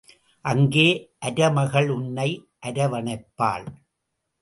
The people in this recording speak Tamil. அங்கே அரமகள் உன்னை அர வணைப்பாள்.